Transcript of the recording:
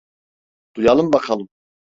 Duyalım bakalım.